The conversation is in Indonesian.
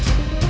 aku mau ke sana